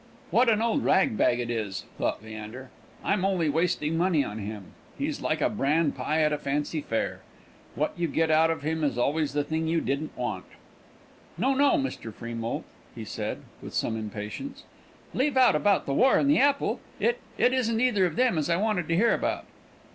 "What an old rag bag it is!" thought Leander. "I'm only wasting money on him. He's like a bran pie at a fancy fair: what you get out of him is always the thing you didn't want." "No, no, Mr. Freemoult," he said, with some impatience; "leave out about the war and the apple. It it isn't either of them as I wanted to hear about."